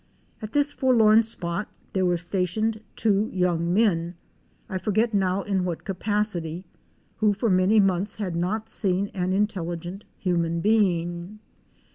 At this forlorn spot there were stationed two young men, I forget now in what capacity, who for many months had not seen an intelligent human being.